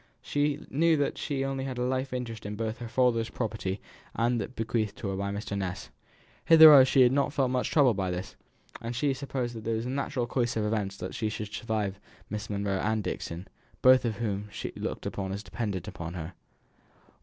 She knew that she had only a life interest both in her father's property and in that bequeathed to her by Mr. Ness. Hitherto she had not felt much troubled by this, as she had supposed that in the natural course of events she should survive Miss Monro and Dixon, both of whom she looked upon as dependent upon her.